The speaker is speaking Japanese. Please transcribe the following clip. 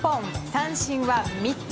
三振は３つ。